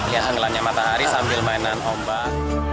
iya tenggelamnya matahari sambil mainan ombak